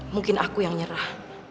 mungkin aku yang nyerah